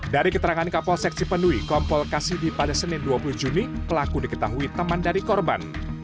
dari keterangan kapolsek cipendui kompol kasidi pada senin dua puluh juni pelaku diketahui teman dari korban